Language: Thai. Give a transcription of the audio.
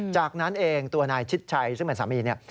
จากนั้นเองตัวนายชิดชัยซึ่งเป็นสามีเนี่ย